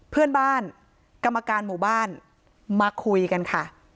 เพื่อนบ้านกรรมการหมู่บ้านมาคุยกันค่ะ